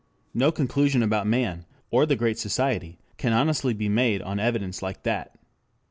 No conclusion about man or the Great Society can honestly be made on evidence like that.